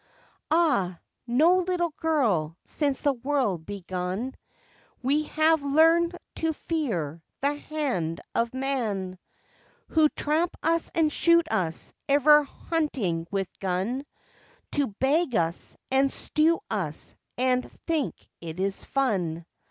"Ah, no, little girl, since the world began We have learned to fear the hand of man, Who trap us and shoot us, ever hunting with gun, To "bag" us and ,stew us, and think it is fun."